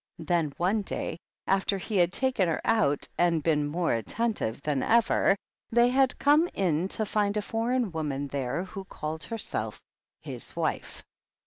Then one day, after he had taken her out and been more atten tive than ever, they had come in to find a foreign woman there who called herself his wife.